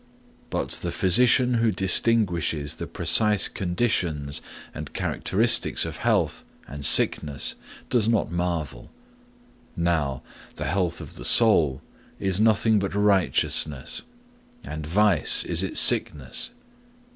But the physician who distinguishes the precise conditions and characteristics of health and sickness does not marvel. Now, the health of the soul is nothing but righteousness, and vice is its sickness.